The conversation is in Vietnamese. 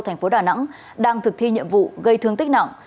thành phố đà nẵng đang thực thi nhiệm vụ gây thương tích nặng